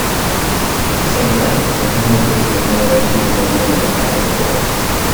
At the same time, consumer goods were more readily available than ever before.